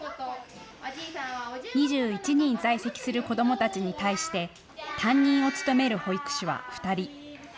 ２１人在籍する子どもたちに対して担任を務める保育士は２人。